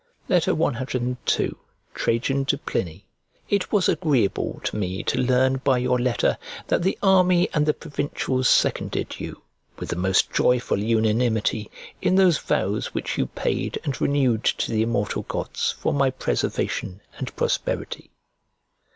CII TRAJAN TO PLINY IT was agreeable to me to learn by your letter that the army and the provincials seconded you, with the most joyful unanimity, in those vows which you paid and renewed to the immortal gods for my preservation and prosperity.